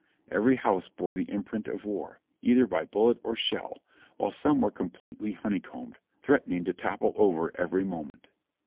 Every house bore the imprint of war, either by bullet or shell, while some were completely honeycombed, threatening to topple over every moment.